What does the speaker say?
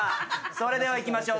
それではいきましょう、